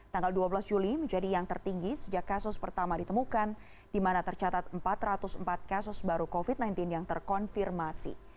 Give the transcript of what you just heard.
tanggal dua belas juli menjadi yang tertinggi sejak kasus pertama ditemukan di mana tercatat empat ratus empat kasus baru covid sembilan belas yang terkonfirmasi